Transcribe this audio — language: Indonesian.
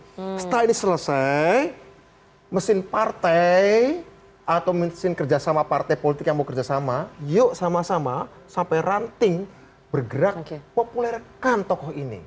setelah ini selesai mesin partai atau mesin kerjasama partai politik yang mau kerjasama yuk sama sama sampai ranting bergerak populerkan tokoh ini